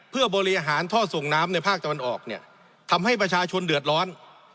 เพื่อบริหารท่อส่งน้ำในภาคตะวันออกเนี่ยทำให้ประชาชนเดือดร้อน